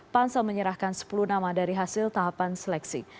pansel menyerahkan sepuluh nama dari hasil tahapan seleksi